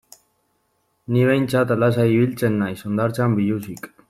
Ni behintzat lasai ibiltzen naiz hondartzan biluzik.